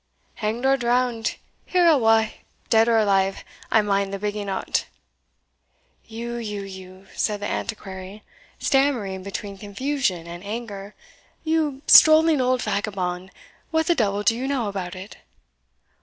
"Hanged or drowned, here or awa, dead or alive, I mind the bigging o't." "You you you ," said the Antiquary, stammering between confusion and anger, "you strolling old vagabond, what the devil do you know about it?"